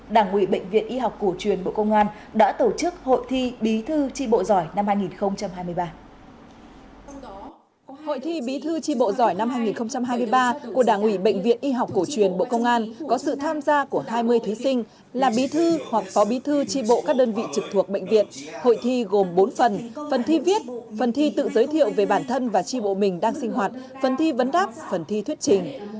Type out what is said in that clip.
đảng ủy bệnh viện y học cổ truyền bộ công an đã tổ chức hội thi bí thư chi bộ giỏi năm hai nghìn hai mươi ba